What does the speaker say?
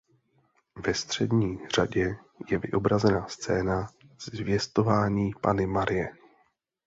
Ve střední řadě je vyobrazena scéna Zvěstování Panny Marie.